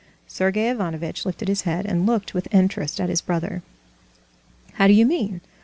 Sergey Ivanovitch lifted his head, and looked with interest at his brother. "How do you mean?